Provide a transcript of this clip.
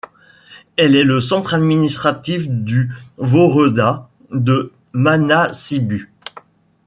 Elle est le centre administratif du woreda de Mana Sibu.